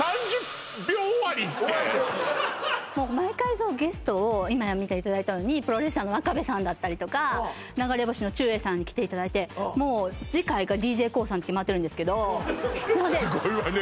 そのゲストを今見ていただいたようにプロレスラーの真壁さんだったりとか流れ星☆のちゅうえいさんに来ていただいてもう次回がＤＪＫＯＯさんって決まってるんですけどすごいわね